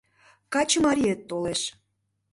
— Качымариет толеш.